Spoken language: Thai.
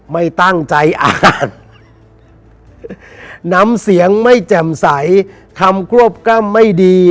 ไม่ตั้งใจอาจน้ำเสียงไม่แจ่มใสทำควบกล้ามไม่ดี